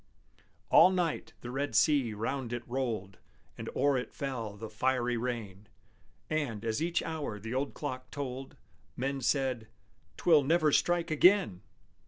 All night the red sea round it rolled, And o'er it fell the fiery rain: And, as each hour the old clock told, Men said, "'Twill never strike again!"